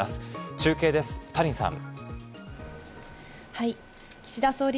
中継です、谷さん。